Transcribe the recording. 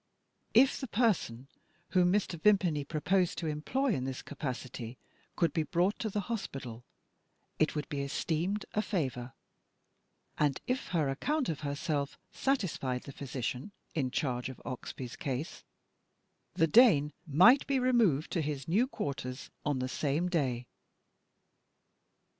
If the person whom Mr. Vimpany proposed to employ in this capacity could be brought to the hospital, it would be esteemed a favour; and, if her account of herself satisfied the physician in charge of Oxbye's case, the Dane might be removed to his new quarters on the same day.